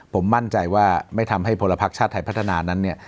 ผมมั่นใจว่าไม่ทำให้พลภักดิ์ชาติไทยพัฒนานั้นเนี่ย